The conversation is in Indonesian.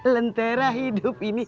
lentera hidup ini